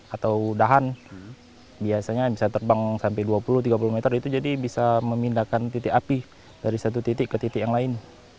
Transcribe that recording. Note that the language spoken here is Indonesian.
atau dahan biasanya bisa terbang sampai dua puluh tiga puluh meter itu jadi bisa memindahkan titik api dari satu titik ke titik yang lain